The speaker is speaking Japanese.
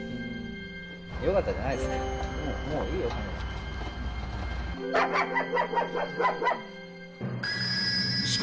よかったじゃないですか。